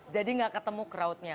jadi nggak ketemu crowd nya